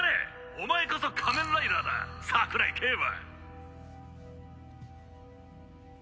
お前こそ仮面ライダーだ桜井景和！